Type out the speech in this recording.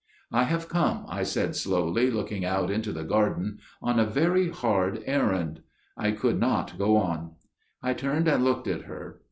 "'I have come,' I said slowly, looking out into the garden, 'on a very hard errand.' I could not go on. I turned and looked at her.